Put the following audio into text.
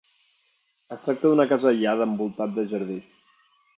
Es tracta d'una casa aïllada, envoltat de jardí.